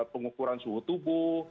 pengukuran suhu tubuh